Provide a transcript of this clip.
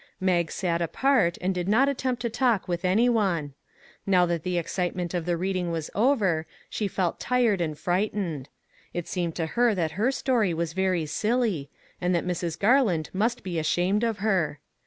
Mag sat apart and did not attempt to talk with any one; now that the excitement of the reading was over, she felt tired and frightened; it seemed to her that her story was very silly, and that Mrs. Garland must be ashamed of her.